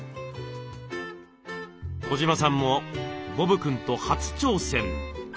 児島さんもボブくんと初挑戦。